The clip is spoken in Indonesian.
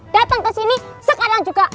dateng kesini sekarang juga